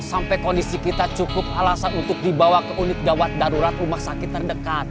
sampai kondisi kita cukup alasan untuk dibawa ke unit gawat darurat rumah sakit terdekat